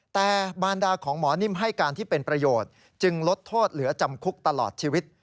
แต่บารดาของหมอนิ่มให้การที่เป็นประโยชน์จึงลดโทษเหลือจำคุกตลอดชีวิต